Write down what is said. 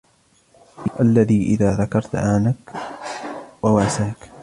الَّذِي إذَا ذَكَرْت أَعَانَك وَوَاسَاك